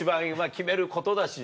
決めることだしね。